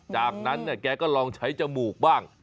จากนั้นแกก็ลองใช้จมูกบ้าง